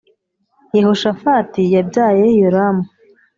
Yehoshafati yabyaye Yoramu,